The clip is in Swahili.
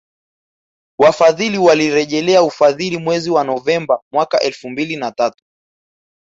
Wafadhili walirejelea ufadhili mwezi wa Novemba mwaka elfu mbili na tatu